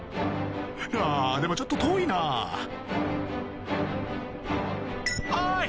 あぁでもちょっと遠いなおい！